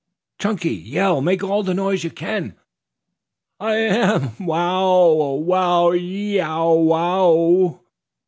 "Chunky, yell! Make all the noise you can." "I am. Wow ow wow. Y e o w wow!"